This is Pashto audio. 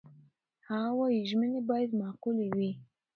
هغه وايي، ژمنې باید معقولې وي.